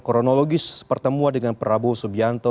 kronologis pertemuan dengan prabowo subianto